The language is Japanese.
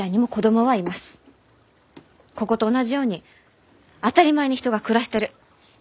ここと同じように当たり前に人が暮らしてる。